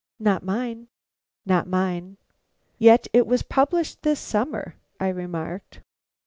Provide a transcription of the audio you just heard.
"Not mine." "Not mine." "Yet it was published this summer," I remarked.